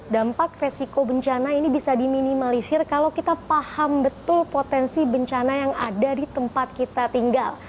dampak resiko bencana ini bisa diminimalisir kalau kita paham betul potensi bencana yang ada di tempat kita tinggal